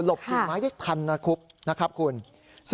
ลบถึงไม้ทันคุบนะครับคุณค่ะค่ะ